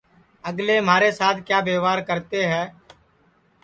اگلے مہارے سات کیا وئوار کرتے ہے